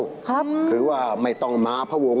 ครับคือว่าไม่ต้องม้าพะวง